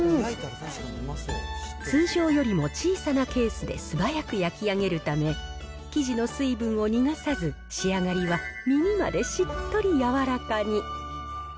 通常よりも小さなケースで素早く焼き上げるため、生地の水分を逃がさず、仕上がりは耳までしっとり柔らかに。